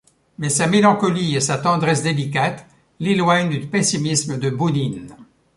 Mais sa mélancolie et sa tendresse délicate l'éloignent du pessimisme de Bounine.